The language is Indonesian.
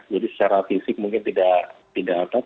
jadi secara fisik mungkin tidak atas